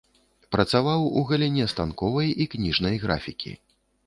Працаваў у галіне станковай і кніжнай графікі.